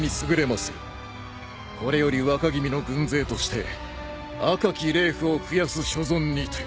これより若君の軍勢として赤き霊符を増やす所存にて。